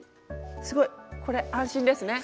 すごいこれ安心ですね。